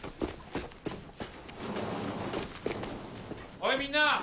おいみんな！